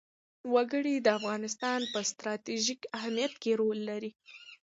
وګړي د افغانستان په ستراتیژیک اهمیت کې رول لري.